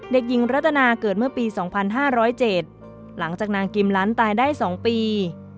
เด็กหญิงรัตนาเกิดเมื่อปี๒๕๐๗หลังจากนางกิมลันตายได้๒ปี